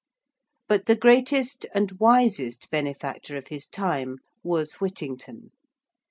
But the greatest and wisest benefactor of his time was Whittington.